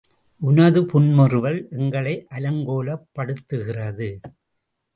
உனது புன்முறுவல் எங்களை அலங்கோலப்படுத்துகிறது.